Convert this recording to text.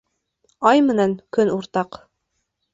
Ай менән көн уртаҡ